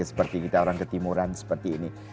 seperti kita orang ketimuran seperti ini